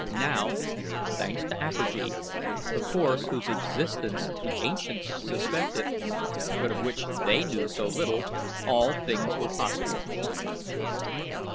Now, thanks to APERGY, the force whose existence the ancients suspected, but of which they knew so little, all things were possible.